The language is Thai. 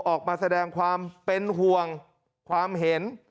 ออกมาแสดงความเป็นห่วงความเห็น